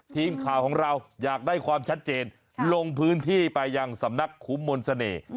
ทีมข่าวของเราอยากได้ความชัดเจนลงพื้นที่ไปยังสำนักคุ้มมนต์เสน่ห์